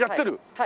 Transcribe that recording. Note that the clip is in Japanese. はい。